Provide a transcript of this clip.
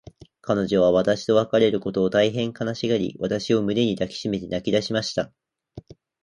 彼女は私と別れることを、大へん悲しがり、私を胸に抱きしめて泣きだしました。